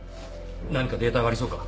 何かデータがありそうか？